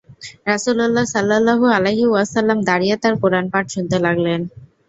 রাসূলুল্লাহ সাল্লাল্লাহু আলাইহি ওয়াসাল্লাম দাঁড়িয়ে তার কুরআন পাঠ শুনতে লাগলেন।